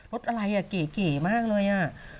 รถอะไรอ่ะเก๋มากเลยอ่ะ